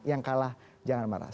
yang kalah jangan marah